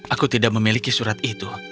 aku tidak memiliki surat itu